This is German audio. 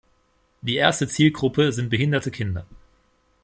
Die erste Zielgruppe sind behinderte Kinder.